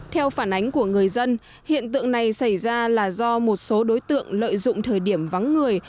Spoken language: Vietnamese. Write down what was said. theo phản ánh của người dân hiện tượng này xảy ra là do một số đối tượng lợi dụng thời điểm vắng người